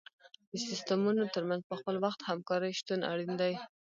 د سیستمونو تر منځ په خپل وخت همکاري شتون اړین دی.